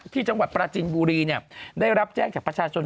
จังหวัดปราจินบุรีได้รับแจ้งจากประชาชน